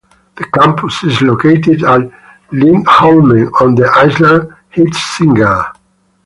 The campus is located at Lindholmen on the island Hisingen.